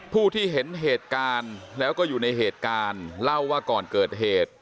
ผู้ที่เห็นเหตุการณ์แล้วก็อยู่ในเหตุการณ์เล่าว่าก่อนเกิดเหตุ